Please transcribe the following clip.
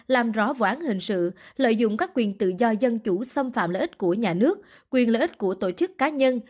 làm rõ vụ án hình sự lợi dụng các quyền tự do dân chủ xâm phạm lợi ích của nhà nước quyền lợi ích của tổ chức cá nhân